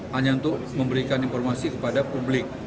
hanya untuk memberikan informasi kepada publik